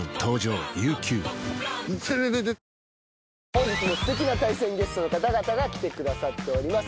本日もすてきな対戦ゲストの方々が来てくださっております。